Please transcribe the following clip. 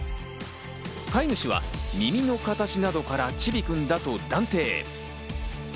飼い主は耳の形などから、ちびくんだと断定。